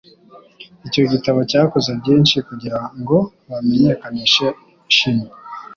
Icyo gitabo cyakoze byinshi kugirango bamenyekanishe chimie